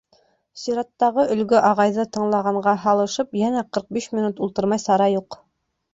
Сираттағы «өлгө ағайҙы» тыңлағанға һалышып йәнә ҡырҡ биш минут ултырмай сара юҡ.